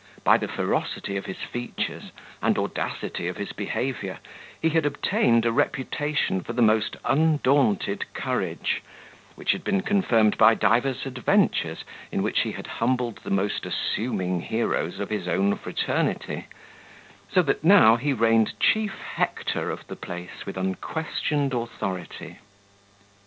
By the ferocity of his features, and audacity of his behaviour, he had obtained a reputation for the most undaunted courage, which had been confirmed by divers adventures, in which he had humbled the most assuming heroes of his own fraternity; so that he now reigned chief Hector of the place with unquestioned authority.